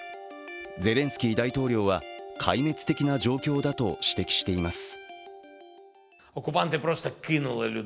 ゼレンスキー大統領は壊滅的な状況だと指摘しています。